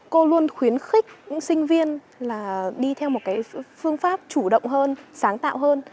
cô luôn khuyến khích những sinh viên là đi theo một cái phương pháp chủ động hơn sáng tạo hơn